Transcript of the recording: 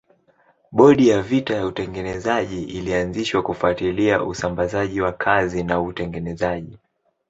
Bodi ya vita ya utengenezaji ilianzishwa kufuatilia usambazaji wa kazi na utengenezaji.